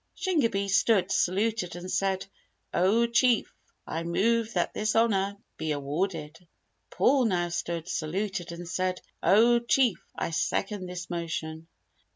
Shingebis stood, saluted and said, "Oh Chief! I move that this Honour be awarded." Paul now stood, saluted and said, "Oh Chief! I second this motion."